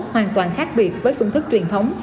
hoàn toàn khác biệt với phương thức truyền thống